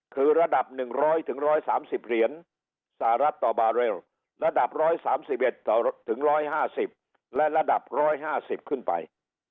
คือระดับ๑๐๐๑๓๐เหรียญสหรัฐต่อบาเรลระดับ๑๓๑๕๐และระดับ๑๕๐ขึ้นไป